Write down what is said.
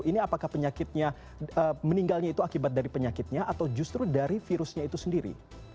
ini apakah penyakitnya meninggalnya itu akibat dari penyakitnya atau justru dari virusnya itu sendiri